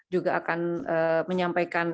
juga akan menyampaikan